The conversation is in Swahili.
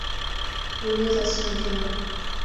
Kuuliza si ujinga